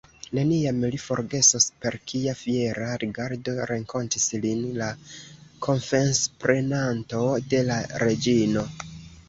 Neniam li forgesos, per kia fiera rigardo renkontis lin la konfesprenanto de la reĝino.